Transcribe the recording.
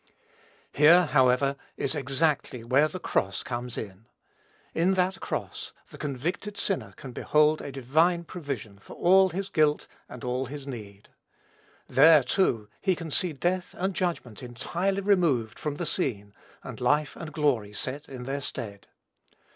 Here, however, is exactly where the cross comes in. In that cross, the convicted sinner can behold a divine provision for all his guilt and all his need. There, too, he can see death and judgment entirely removed from the scene, and life and glory set in their stead.